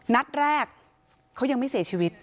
นัดแรกเขายังไม่เสียชีวิต